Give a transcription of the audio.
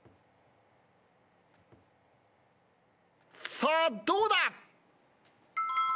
さあどうだ？